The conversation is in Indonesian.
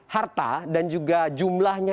harta dan juga jumlahnya